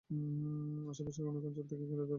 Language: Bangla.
আশেপাশের অনেক অঞ্চল থেকে এখানে ক্রেতা-বিক্রেতারা আসে।